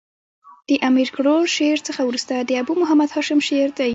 د امیر کروړ شعر څخه ورسته د ابو محمد هاشم شعر دﺉ.